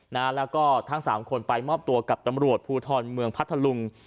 นะฮะแล้วก็ทั้งสามคนไปมอบตัวกับตำรวจภูทรเมืองพัทธลุง